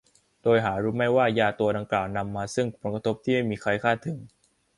โดยหารู้ไม่ว่ายาตัวดังกล่าวนำมาซึ่งผลกระทบที่ไม่มีใครคาดถึง